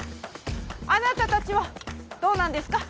あなたたちはどうなんですか？